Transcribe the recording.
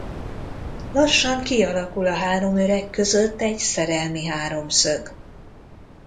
Lassan kialakul a három öreg között egy szerelmi háromszög.